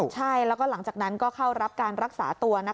ใช่แล้วก็หลังจากนั้นก็เข้ารับการรักษาตัว